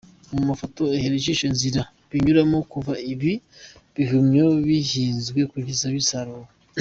Mu mafoto, ihere ijisho inzira binyuramo kuva ibi bihumyo bihinzwe kugeza bisaruwe.